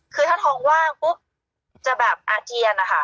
คือถ้าทองว่างปุ๊บจะแบบอาเจียนนะคะ